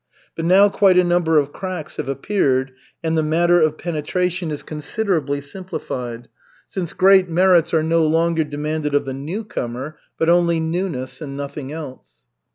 But now quite a number of cracks have appeared and the matter of penetration is considerably simplified, since great merits are no longer demanded of the newcomer, but only "newness" and nothing else.